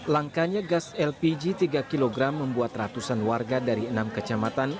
langkanya gas lpg tiga kg membuat ratusan warga dari enam kecamatan